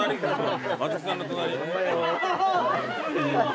松木さんの隣。